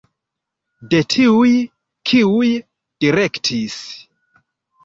De tiuj, kiuj direktis.